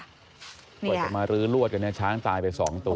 กว่าจะมารื้อรวดกันเนี่ยช้างตายไป๒ตัว